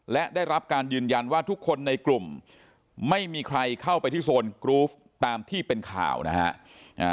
และได้รับการยืนยันว่าทุกคนในกลุ่มไม่มีใครเข้าไปที่โซนกรูฟตามที่เป็นข่าวนะฮะ